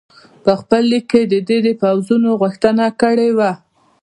په خپل لیک کې دې د پوځونو غوښتنه کړې وه.